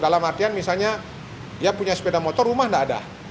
dalam artian misalnya dia punya sepeda motor rumah tidak ada